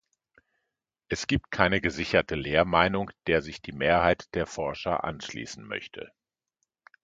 Es gibt keine gesicherte Lehrmeinung, der sich die Mehrheit der Forscher anschließen möchte.